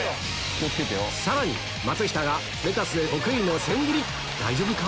さらに松下がレタスで得意の千切り大丈夫か？